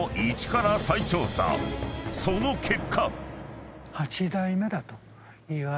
［その結果］